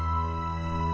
ceng eh tunggu